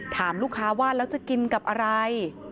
ถามลูกค้าว่าแล้วจะกินกับอะไร